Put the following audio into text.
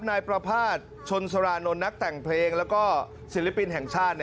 นายประภาษณ์ชนสรานนท์นักแต่งเพลงแล้วก็ศิลปินแห่งชาติ